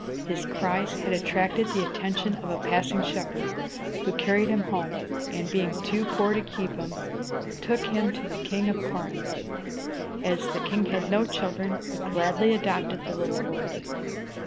His cries had attracted the attention of a passing shepherd, who carried him home, and, being too poor to keep him, took him to the King of Corinth. As the king had no children, he gladly adopted the little boy.